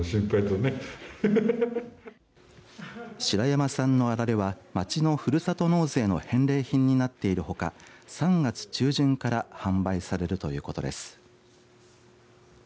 白山さんのあられは町のふるさと納税の返礼品になっているほか３月中旬から販売されるということです。